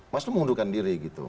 mas nof mengundurkan diri gitu